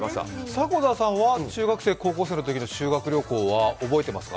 迫田さんは中学校、高校のときの修学旅行、覚えてますか？